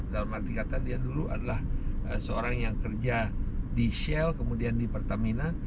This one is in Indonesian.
dalam arti kata dia dulu adalah seorang yang kerja di shell kemudian di pertamina